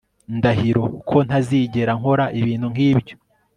Ndahiro ko ntazigera nkora ibintu nkibyo